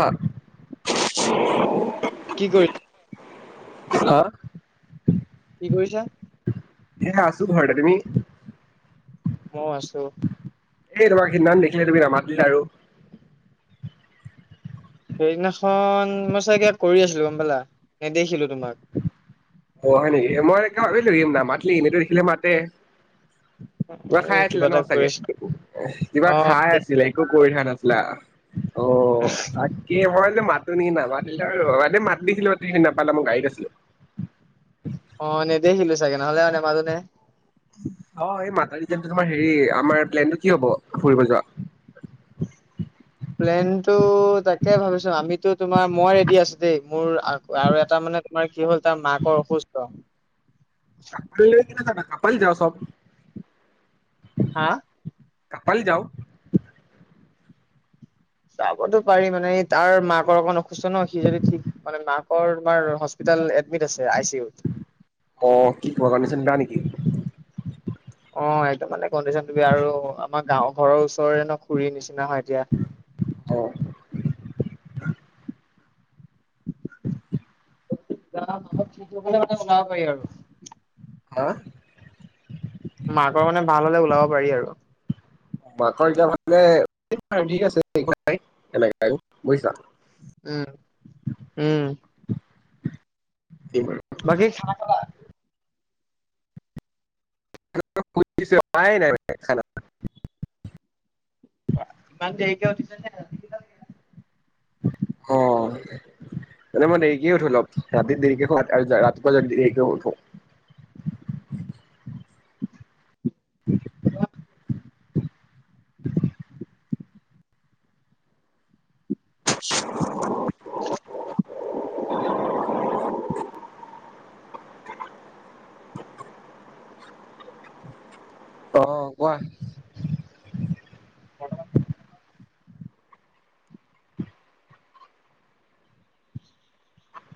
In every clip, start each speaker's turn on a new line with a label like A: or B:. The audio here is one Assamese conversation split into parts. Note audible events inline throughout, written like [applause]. A: এ [inaudible]
B: কি কৰি
A: হা?
B: কি কৰিছা?
A: এইয়া আছো ঘৰতে, তুমি?
B: মইও আছো।
A: এই তোমাক সিদিনা খন দেখিলে তুমি নামাতিলা আৰু।
B: সেইদিনাখন মই চাগে কৰি আছিলো গ'ম পালা! নেদেখিলো তোমাক।
A: অ', হয় নেকি? মই এনেকে ভাবিলো ই নামাটিলি এনেটো দেখিলে মাতে। কিবা
B: এই
A: খাই আছিলা
B: এটা
A: ন'
B: কৰি
A: চাগে
B: আছিলো অ
A: কিবা খাই আছিলা। একো কৰি থকা নাচিলা অ', আত এই মই ভাবিছিলো মাতো নেকি নামাতিলা আৰু মাত দিছিলোঁ তুমি দেখি নাপালা মই গাড়ীত আছিলো। [inaudible]
B: অ' নেদেখিলে চাগে নহ'লে আৰু নেমাটেনে।
A: অ' এই [unintelligible] হেৰি আমাৰ প্লেনটো কি হ'ব ফুৰিব যোৱা?
B: প্লেনটো তাকে ভাবিছোঁ আমিতো তোমাৰ মই ৰেডি আছোঁ দেই, মোৰ আ-আৰু এটা মানে তোমাৰ কি হ'ল তাৰ মাকৰ অসুস্থ।
A: [unintelligible]
B: হা
A: কাপালি যাওঁ।
B: যাবতো পাৰি মানে তাৰ মাকৰ অকণ অসুস্থ ন' সি যদি ঠিক মানে মাক [inaudible] তোমাৰ হস্পিটাল এডমিট আছে আই চি ইউত।
A: অ' কি কোৱা কনডিশ্যচন বেয়া নেকি?
B: অ' একদম মানে কনডিশচনটো বেয়া আৰু আমাৰ গাঁৱৰ ঘৰৰ ওচৰৰে ন' খুৰীৰ নিচিনা হয় এতিয়া।
A: অ'।
B: [unintelligible] বনাব পাৰি আৰু।
A: [unintelligible]
B: মাকৰ মানে ভাল হ'লে ওলাব পাৰি আৰু।
A: মাকৰ এতিয়া মানে [unintelligible] বুজিছোঁ।
B: উম। উম
A: [unintelligible]
B: বাকী খানা খালা?
A: [unintelligible] খানা।
B: ইমান দেৰিকে উঠিছা নে?
A: অ'। মানে মই দেৰিকে উঠো অলপ, ৰাতি দেৰিকে শুৱ আৰু [unintelligible] ৰাতিপুৱা দেৰিকে উঠো। [inaudible]
B: [inaudible]
A: [inaudible] অ' কোৱা।
B: বৰ্তমান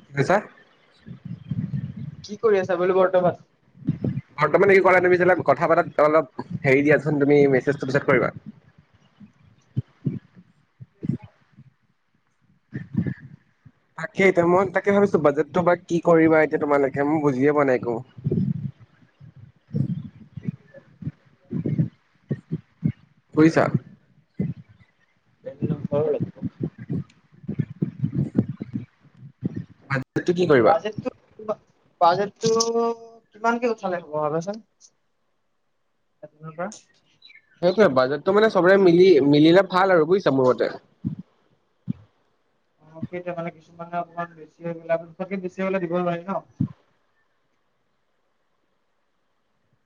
A: [unintelligible]
B: কি কৰি আছা বোলো বৰ্তমান?
A: বৰ্তমানে [unintelligible] কথা পাতাত অলপ হেৰি দিয়াচোন তুমি মেছেজতো পিছত কৰিবা।
B: [inaudible]
A: তাকে এতিয়া মই তাকে ভাবিছোঁ বাজেটটো বা কি কৰিবা এতিয়া তোমালোকে মই বুজিয়ে পোৱা নাই একো। বুজিছা।
B: [unintelligible]
A: [unintelligible] কৰিবা
B: বাজেটটো বাজেটটো কিমানকে উঠালে হ'ব জনাবাচোন? [inaudible] পৰা।
A: সেইটোৱে বাজেটটো মানে চবৰে মিলি মিলিলে ভাল আৰু বুজিছা মোৰ মতে।
B: অ' সেইটোয়ে মানে কিছুমানে অকমান বেছি হৈ [unintelligible] বেছি হ'লে দিব নোৱাৰি ন'।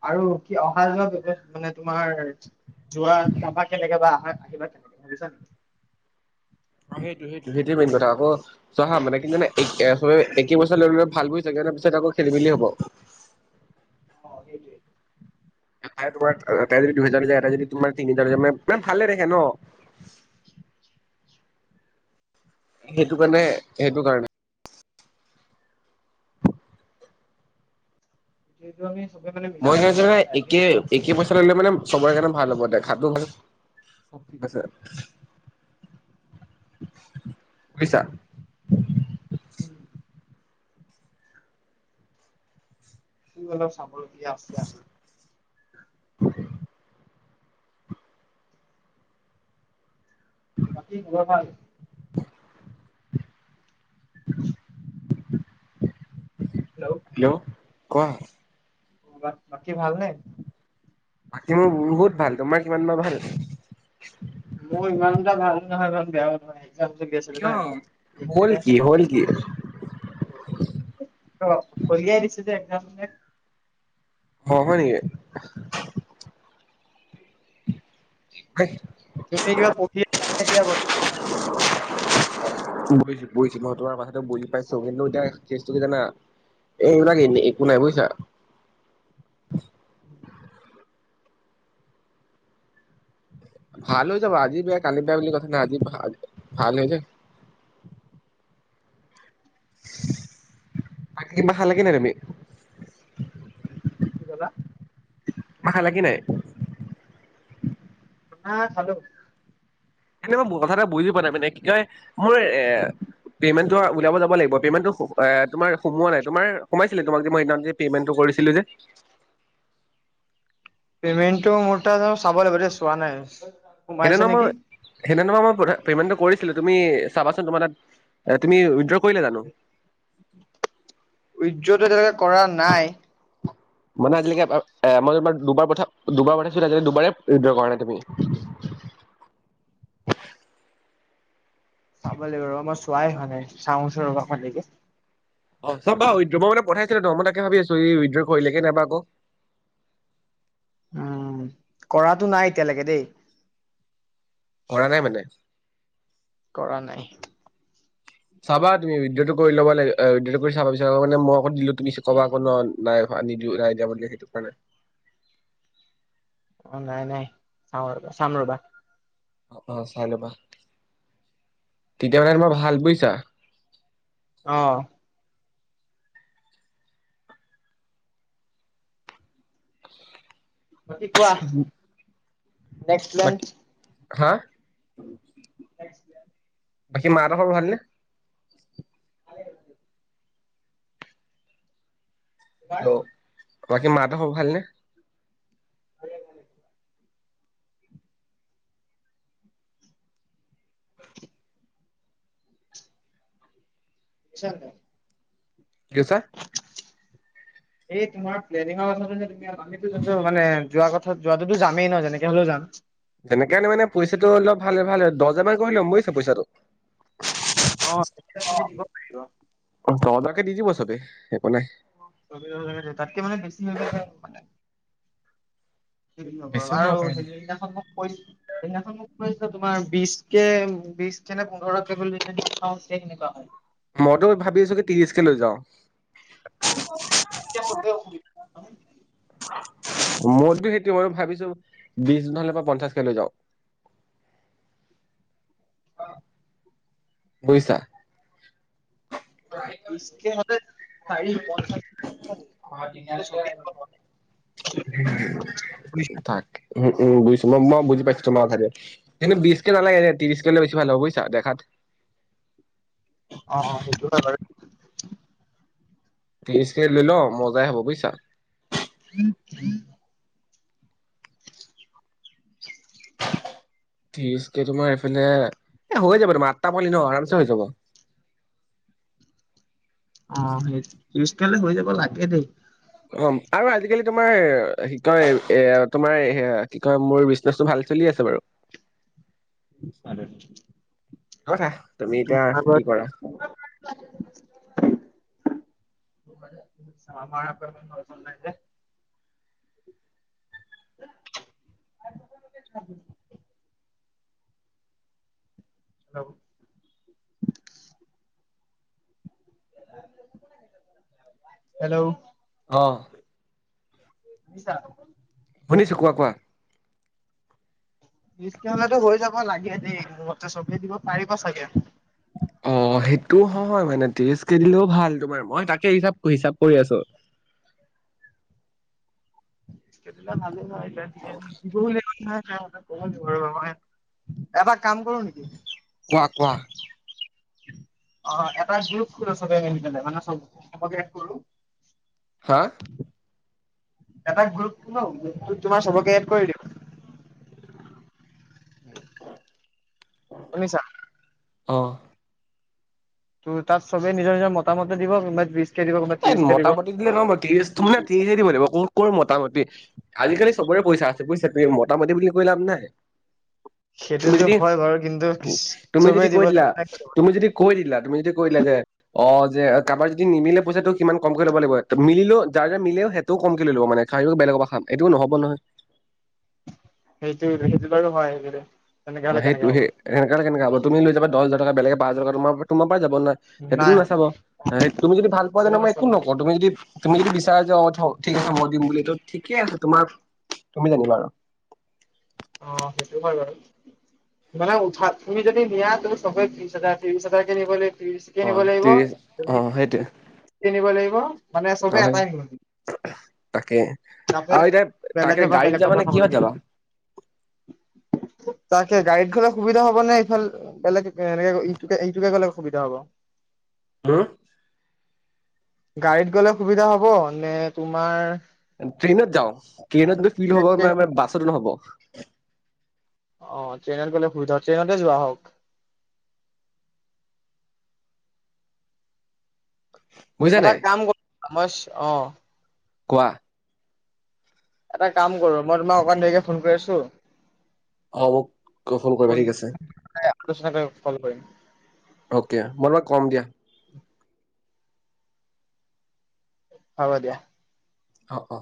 B: আৰু কি অহা যোৱা ব্যৱচ মানে তোমাৰ, যোৱা [unintelligible] কেনেকে বা আহে। [unintelligible]
A: [unintelligible] চোৱা হা মানে কি জানে [unintelligible] পিছত আকৌ খেলি মেলি হ'ব।
B: [inaudible]
A: [unintelligible] তিনি হাজাৰ দিছে মানে ভালে নেদেখে ন'।
B: [inaudible]
A: সেইটো কাৰণে, সেইটো কাৰণে।
B: সেইটো আমি চবে মানে মিলাব
A: মই
B: লাগিব গম
A: ভাবিছোঁ মানে
B: পাইছা
A: একে
B: [unintelligible]
A: একে পইচা ল'লে মানে চবৰে কাৰণে ভাল হ'ব দেখাটো হ'ব - অঁ' ঠিক আছে। বুজিছা।
B: হ'ম। [unintelligible] অলপ চাবলগীয়া আছে আমাৰ।
A: [unintelligible]
B: বাকী খবৰ ভাল?
A: [unintelligible]
B: হেল্ল'।
A: হেল্ল' ক?
B: তোমাৰ বাকী ভাল নে?
A: বাকী মোৰ বহুত ভাল, তোমাৰ কিমান বা ভাল?
B: মোৰ ইমান এটা ভালো নহয় বাৰু বেয়াও নহয়। তাৰপিছত গেছ
A: কিয়, হ'ল কি হ'ল কি?
B: কঢ়িয়াই দিছে যে [unintelligible]
A: অঁ' হয় নেকি।
B: এতিয়া কিবা প্ৰফিট [unintelligible] কেতিয়া [unintelligible]
A: [unintelligible] এইবিলাক একো নাই বুজিছা।
B: উমঁ।
A: ভাল হৈ যাব আজি বেয়া কালি বেয়া বুলি কথা নাই, আজি ভাল হৈ যায়। বাকী কিবা খালা কি নাই তুমি?
B: কি ক'লা?
A: খালা কি নাই?
B: খানা খালোঁ।
A: [unintelligible] মোৰ কথা তই বুজি পোৱা নাই মানে কি কয় মোৰ এ- পেমেণ্টটো উলিয়াব যাব লাগিব, পেমেণ্টটো তোমাৰ সোমোৱা নাই, তোমাৰ সোমাইছিল তোমাক যে সেইদিনাখন যে- পেমেণ্টটো কৰিছিলোঁ যে?
B: পেমেণ্টটো মোৰ তাত অঁ' চাব লাগিব দেই চোৱা নাই। সোমাইছে
A: সেইদিনা মই,
B: নেকি
A: সেইদিনা তোমাক মই পেমেণ্টটো কৰিছিলোঁ, তুমি চাবাচোন তোমাৰ তাত। এ তুমি উইড্ৰ কৰিলে জানো?
B: উইড্ৰটো এতিয়ালৈকে কৰা নাই।
A: মানে আজিলৈকে এবাৰ, মই তোমাক দুবাৰ দুবাৰ পঠাইছিলোঁ দুবাৰে উঁইড্ৰ কৰা নাই তুমি?
B: চাব লাগিব ৰ, মই চোৱাই হোৱা নাই চাওঁচোন ৰবা অকমান দেৰিকৈ।
A: অঁ' চাবা, মই মানে পঠাইছিলো ন' মই তাকে ভাবি আছো ই উইদ্ৰ' কৰিলে কি নাইবা আকৌ।
B: উমঁ' কৰাটো নাই এতিয়ালৈকে দেই।
A: কৰা নাই মানে?
B: কৰা নাই।
A: চাবা তুমি [unintelligible] টো কৰি ল'বা লাগে [inaudible] টো চাব বিচাৰা মই আকৌ দিলো তুমি আকৌ কবা নাই- নাই দিয়া বুলি সেইটো কাৰণে।
B: অ নাই নাই, চাওঁ ৰবা চাম ৰ'বা।
A: অ চাই লবা, তেতিয়া মানে তোমাৰ ভাল বুজিছা?
B: অ। বাকী কোৱা? নেক্সপ্লেন?
A: বাকী হা!
B: নেক্সপ্লেন?
A: বাকী মাহঁতৰ খবৰ ভালনে?
B: ভালে।
A: হেল্ল, বাকী মাহতৰ খবৰ ভাল নে?
B: [unintelligible] [unintelligible]
A: কি কৈছা?
B: এই তোমাৰ প্লেনিঙৰ কথাতে যে তুমি আহা এইটো যোনটো মানে যোৱা কথাত যোৱাটোতো যামেই ন যেনেকে হলেওঁ যাম।
A: তেনেকে এনে মানে পইচাটো অলপ ভালে ভালে দহ হাজাৰমান কৰি লম বুজিছ পইচাটো?
B: অহ [unintelligible]
A: অহ তাকে [unintelligible] একো নাই।
B: তাতে [unintelligible] তাতকে মানে বেছি হৈ গ'ল শেষ মানে। [unintelligible] লগৰ
A: বেছিও ল'ব
B: আৰু
A: পাৰে
B: সেইদিনাখন মোক কৈছ সেইদিনাখন মোক পইচা তোমাৰ বিশ কে বিশ কে নে পোন্ধৰ কে বুলি [unintelligible] সে তেনেকুৱা হয়।
A: মইতো ভাবিচিলো ত্ৰিশ কে লৈ যাওঁ। [unintelligible]
B: [unintelligible]
A: মোৰতো সেইটো মই ভাবিছো বিশ হলে পৰা পঞ্চাশকে লৈ যাওঁ। বুজিছা?
B: বিশকে হলে চাৰি পঞ্চা
A: অ তিনি আলিলৈ আহি [unintelligible] তাক উম উম বুজিছো মই মই বুজি পাইছো তোমাৰ কথাটো। কিন্তু বিশ কে নালাগে ত্ৰিশ কে লৈ বেছি ভাল হব বুজিছা দেখাত
B: অ অ সেইটো হয় বাৰু।
A: ত্ৰিশ কে লৈ ল মজাই হব বুইছা?
B: [inaudible]
A: ত্ৰিশ কে তোমাৰ এইফালে এ হৈ যাব তোমাৰ আঠটা পোৱালি ন আৰামচে হৈ যাব।
B: অ সেই ত্ৰিশকে লৈ হৈ যাব লাগে দেই।
A: অ আৰু আজিকালি তোমাৰ এ কি কয় এ তোমাৰ সেয়া কি কয় মোৰ বিছ নেছটো ভাল চলি আছে বাৰু।
B: [inaudible] [unintelligible]
A: কৰা তুমি এতিয়া
B: তোমাৰ বাৰু
A: কি কৰা?
B: [unintelligible] Hello hello? হেল্ল?
A: অ।
B: শুনিছা?
A: শুনিছো কোৱা কোৱা?
B: ডিছকাউনতে হৈ যাব লাগে দেই মোৰমতে চবেই দিব পাৰিব চাগে
A: অ সেইটো হয় মানে তিৰিছ কে দিলেও ভাল তোমাৰ মই তাকে হিচাপ হিচাপ কৰি আছো।
B: ত্ৰিছকে দিলে ভালো হয় দে [unintelligible] [unintelligible] এটা কাম কৰো নিকি
A: কোৱা কোৱা
B: অ এটা গ্ৰুপ খোলো চবে মিলি পেলাই মানে চব চবকে এড কৰো
A: হা
B: এটা গ্ৰুপ খোলো গ্ৰুপটোত তোমাৰ চবকে এড কৰি দিও
A: উম
B: শুনিছা
A: অ
B: ত' তাত চবে নিজৰ নিজৰ মতামতো দিব কোনোবাই ত্ৰিছ
A: এ মোটা পাটি দিলে নহব ত্ৰিছ তো মানে ত্ৰিছ থাকিব লাগিব, ক'ত ক'ৰ মোটামুটি আজিকালি চবৰে পইচা আছে বুইছা তুমি মোটামুটি বুলি কৈ লাভ নাই তুমি
B: সেইটোতো
A: যদি
B: হয় বাৰু কিন্তু
A: তুমি যদি
B: চবেই
A: কৈ দিলা
B: দিবলৈ মা
A: তুমি যদি কৈ দিলা তুমি যদি কৈ দিলা যে অ যে কাৰোবাৰ যদি নিমিলে পইচাটো কিমান কমকৈ ল'ব লাগিব মিলিলেও যাৰ যাৰ মিলেও সেইটোও কম কে লৈ লব মানে কাইলেও বেলেগৰ পা খাম এইটোও নহব নহয়
B: সেইটো সেইটো বাৰু হয় সেই
A: অ সেটো সে সেনেকা হলে কেনেকা হব তুমি লৈ যাব দহাজাৰ টকা বেলেগে পাঁচহাজাৰ টকা তোমাৰ তোমাৰ পাই যাব নাই সেইটোটো
B: নাই
A: নাচাব এ তুমি যদি ভাল পোৱা
B: সেইটো
A: জানা মই একো
B: নাচাব সেইটো
A: নকওঁ তুমি যদি তুমি যদি বিচাৰা যে অ ঠ ঠিক আছে মই দিম বুলি এইটো ঠিকে আছে তোমাৰ তুমি জানিবা আৰু
B: অ সেইটো হয় বাৰু মানে উঠা তুমি যদি নিয়া তো চবে ত্ৰিছহাজাৰ ত্ৰিশ হাজাৰ কে নিব লাগিব ত্ৰিছ কে
A: অ
B: নিব লাগিব
A: ত্ৰিশ অ সেইটোৱে
B: কে নিব লাগিব মানে
A: অ
B: চবে
A: সেই
B: এটাই নিম
A: তাকে
B: চা পে
A: আৰু এতিয়া তাকে
B: বেলেগে পা
A: গাড়ীত
B: বেলেগ
A: যাবা
B: পা
A: নে
B: খাব
A: কিহত
B: নিদিও
A: যাবা
B: তাকে গাড়ীত গ'লে সুবিধা হব নে ইফাল বেলেগে এনেক ইটোকে ইটোকে গলে সুবিধা হব [inaudible]
A: মো
B: গাড়ীত গলে সুবিধা হব নে তোমাৰ
A: ট্ৰেইনত যাওঁ ট্ৰেইনত গৈ ফিল হ'ব মা
B: ট্ৰেইনত
A: মা বাছতো নহ'ব
B: অ ট্ৰেইনত গলে সুবিধা ট্ৰেইনতে যোৱা হওক
A: বুজিছা
B: এটা
A: নাই
B: কাম কৰ মইছ অ
A: কোৱা
B: এটা কাম কৰো মই তোমাক অকণ দেৰিকে ফোন কৰি আছো
A: অ' মোক কৰিবা
B: ফোন
A: ঠিক আছে
B: এ আলোচনা কৰি কল কৰিম
A: অ'কে মই তোমাক কম দিয়া
B: হ'ব দিয়া
A: অ অ